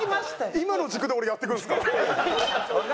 今の軸で俺やっていくんですか？